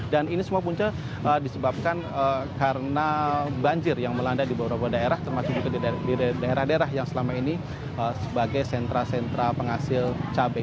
dan ini semua punca disebabkan karena banjir yang melanda di beberapa daerah termasuk di daerah daerah yang selama ini sebagai sentra sentra penghasil cabai